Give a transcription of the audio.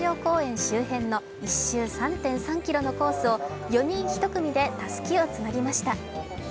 周辺の１周３．３ｋｍのコースを４人１組でたすきをつなぎました。